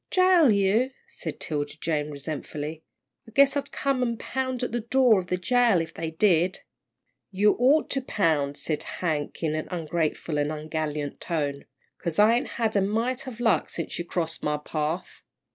"Jail you," said 'Tilda Jane, resentfully, "I guess I'd come and pound at the door of the jail if they did." "You ought to pound," said Hank, in an ungrateful and ungallant tone, "'cause I ain't had a mite of luck since you crossed my path."